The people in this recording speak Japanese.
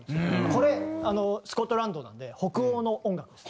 これスコットランドなので北欧の音楽です。